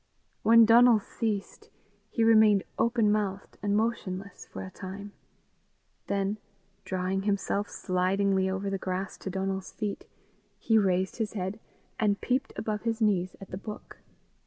When Donal ceased, he remained open mouthed and motionless for a time; then, drawing himself slidingly over the grass to Donal's feet, he raised his head and peeped above his knees at the book.